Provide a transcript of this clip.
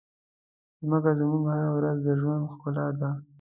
مځکه زموږ هره ورځ د ژوند ښکلا ده.